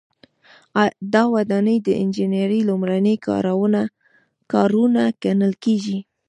دا ودانۍ د انجنیری لومړني کارونه ګڼل کیږي.